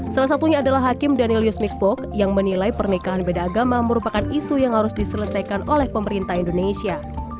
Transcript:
salah satunya adalah hakim daniel yusmikvok yang menilai pernikahan beda agama merupakan isu yang harus diselesaikan oleh pemerintah indonesia